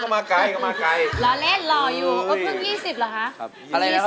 มีอยู่๒ท่าครับผม